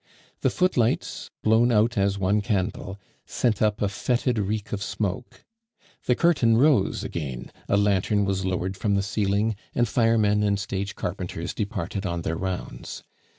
The footlights, blown out as one candle, sent up a fetid reek of smoke. The curtain rose again, a lantern was lowered from the ceiling, and firemen and stage carpenters departed on their rounds.